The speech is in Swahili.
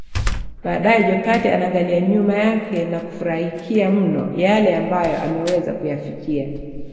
Baadae Jokate anaangalia nyuma yake na kufurahikia mno yale ambayo ameweza kuyafikia